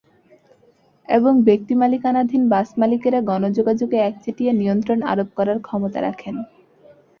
এবং ব্যক্তিমালিকানাধীন বাসমালিকেরা গণযোগাযোগে একচেটিয়া নিয়ন্ত্রণ আরোপ করার ক্ষমতা রাখেন।